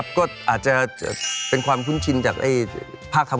ผ้าหนาอยู่เหมือนกันนะ